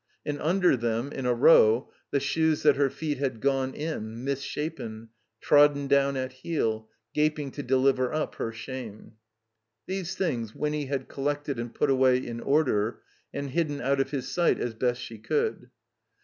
And under them, in a row, the shoes that her feet had gone in, misshapen, trodden down at heel, gaping to deliver up her shame. These things Winny had collected and put away in order, and hidden out of his sight as best she could.